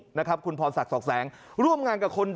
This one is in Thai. และก็มีการกินยาละลายริ่มเลือดแล้วก็ยาละลายขายมันมาเลยตลอดครับ